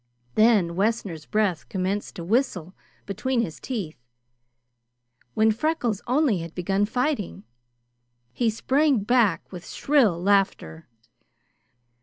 Then Wessner's breath commenced to whistle between his teeth, when Freckles only had begun fighting. He sprang back with shrill laughter.